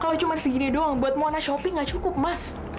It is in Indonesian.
kalau cuma segini doang buat monas shopee nggak cukup mas